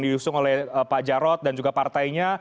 diusung oleh pak jarod dan juga partainya